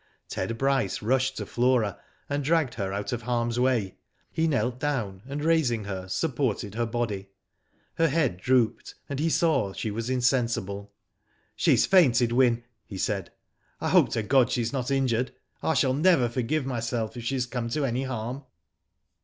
Ted Bryce rushed to Flora, and dragged her out of harm's way. He knelt down, and raising Digitized byGoogk no WHO DID ITf her, supported her body Her head drooped, and he saw she was insensible. She*s fainted, Wyn," he said. ''I hope to God she's not injured. I shall never forgive my self if she has come to any harm.'